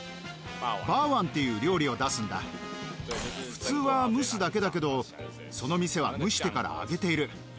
普通は蒸すだけだけどその店は蒸してから揚げている。